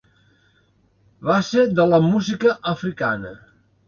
Base de la música africana.